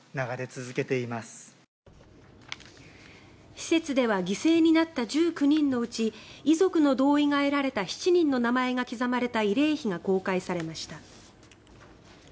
施設では犠牲になった１９人のうち遺族の同意が得られた７人の名前が刻まれた慰霊碑が公開されました。